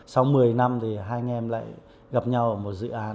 sau một mươi năm thì hai anh em lại gặp nhau ở một dự án